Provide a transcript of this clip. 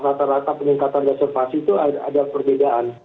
rata rata peningkatan reservasi itu ada perbedaan